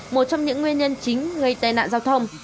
một trong những nguyên nhân chính gây tai nạn giao thông